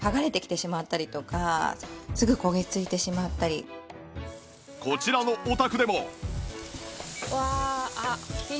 そうこちらのお宅でも